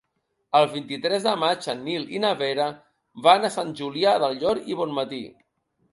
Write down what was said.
El vint-i-tres de maig en Nil i na Vera van a Sant Julià del Llor i Bonmatí.